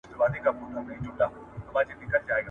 د خوږو دانو مزې ته هک حیران سو ,